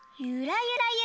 ゆらゆら。